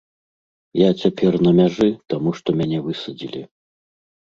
Я цяпер на мяжы, таму што мяне высадзілі.